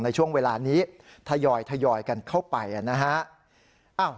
ในช่วงเวลานี้ทยอยกันเข้าไปนะฮะ